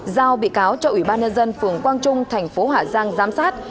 giao bị cáo cho ủy ban nhân dân phường quang trung thành phố hà giang giám sát